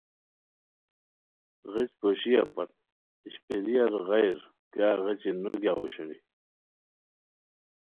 غیچ پوشیہ پت اشپیریار غیر کیاغ غیچی نو گیاؤ اوشوئے